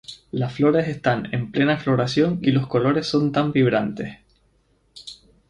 Las flores están en plena floración y los colores son tan vibrantes.